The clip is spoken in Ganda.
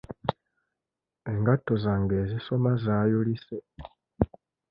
Engatto zange ezisoma zaayulise.